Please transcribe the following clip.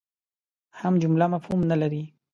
هم جمله مفهوم نه لري.